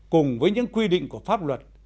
cùng với những quy định của pháp luật